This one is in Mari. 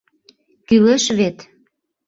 Кӱлеш вет!..